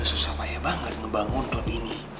kita kan udah susah payah banget ngebangun klub ini